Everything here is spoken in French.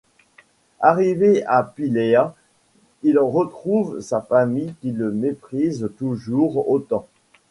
Arrivé à Pylea, il retrouve sa famille qui le méprise toujours autant.